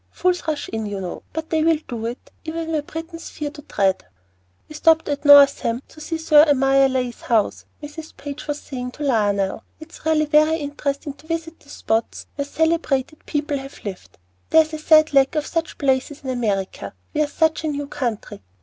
Fools rush in, you know; they will do it, even where Britons fear to tread." "We stopped at Northam to see Sir Amyas Leigh's house," Mrs. Page was saying to Lionel. "It's really very interesting to visit the spots where celebrated people have lived. There is a sad lack of such places in America. We are such a new country.